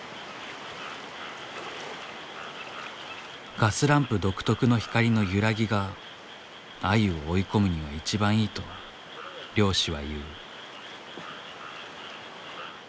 ガスランプ独特の光の揺らぎがアユを追い込むには一番いいと漁師は言う。